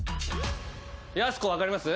やす子分かります？